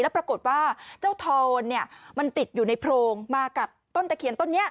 ปรากฏว่าเจ้าทอนมันติดอยู่ในโพรงมากับต้นตะเคียนต้นนี้